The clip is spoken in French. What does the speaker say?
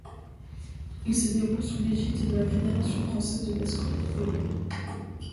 Il se déroule sous l'égide de la Fédération française de basket-ball.